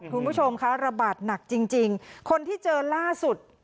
คุณผู้ชมคะระบาดหนักจริงจริงคนที่เจอล่าสุด